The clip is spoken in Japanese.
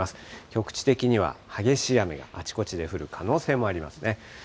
局地的には激しい雨があちこちで降る可能性もありますね。